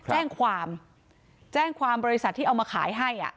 แจ้งความแจ้งความบริษัทที่เอามาขายให้อ่ะ